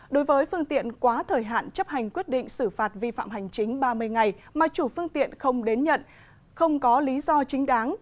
đối với phương tiện quá thời hạn chấp hành quyết định xử phạt vi phạm hành chính ba mươi ngày mà chủ phương tiện không đến nhận không có lý do chính đáng